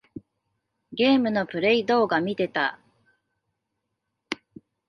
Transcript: ゲームのプレイ動画みてた。